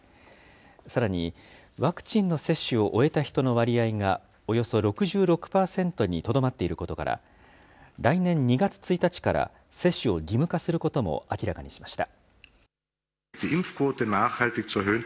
さらに、ワクチンの接種を終えた人の割合が、およそ６６％にとどまっていることから、来年２月１日から接種を義務化することも明らかにしました。